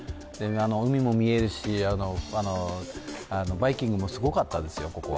海も見えるし、バイキングもすごかったですよ、ここは。